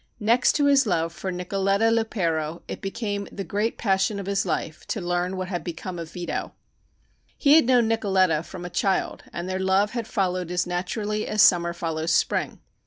Next to his love for Nicoletta Lupero it became the great passion of his life to learn what had become of Vito. He had known Nicoletta from a child and their love had followed as naturally as summer follows spring.